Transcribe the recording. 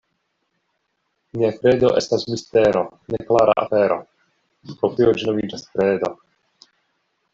Nia kredo estas mistero, neklara afero; pro tio ĝi nomiĝas kredo.